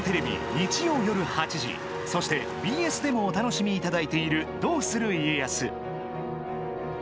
日曜よる８時そしてＢＳでもお楽しみいただいている「どうする家康」。